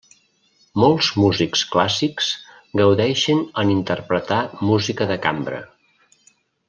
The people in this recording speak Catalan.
Molts músics clàssics gaudeixen en interpretar música de cambra.